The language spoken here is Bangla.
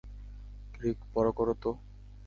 রিক, বড় করো তো।